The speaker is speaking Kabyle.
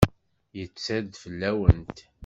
Yetter-d fell-awent.